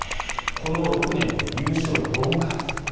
この６年で優勝４回。